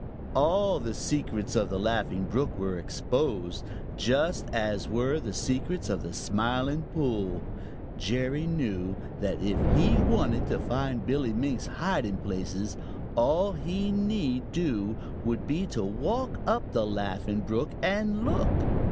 All the secrets of the Laughing Brook were exposed, just as were the secrets of the Smiling Pool. Jerry knew that if he wanted to find Billy Mink's hiding places, all he need do would be to walk up the Laughing Brook and look.